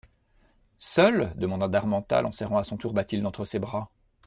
Seul ? demanda d'Harmental en serrant à son tour Bathilde entre ses bras.